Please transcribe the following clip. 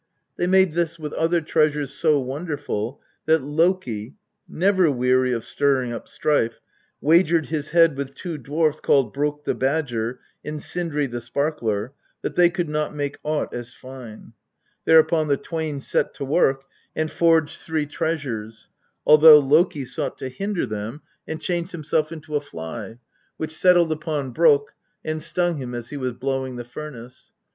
They made this with other treasures so wonderful that Loki, never weary of stirring up strife, wagered his head with two dwarfs called Brokk the Badger and Sindri the Sparkler that they could not make aught as fine. Thereupon the twain set to work and forged three treasures, although Loki sought to hinder them, and changed INTRODUCTION. xvn himself into a fly, which settled upon Brokk and stung him as he was blowing the furnace.